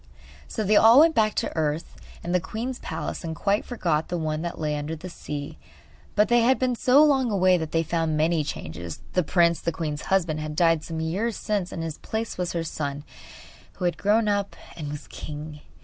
So they all went back to earth and the queen's palace, and quite forgot the one that lay under the sea. But they had been so long away that they found many changes. The prince, the queen's husband, had died some years since, and in his place was her son, who had grown up and was king!